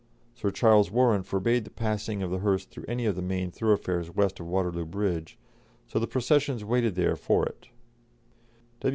Sir Charles Warren forbade the passing of the hearse through any of the main thoroughfares west of Waterloo Bridge, so the processions waited there for it.